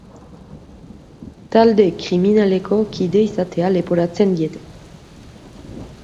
Talde kriminaleko kide izatea leporatzen diete.